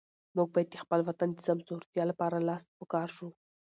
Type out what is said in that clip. موږ باید د خپل وطن د سمسورتیا لپاره لاس په کار شو.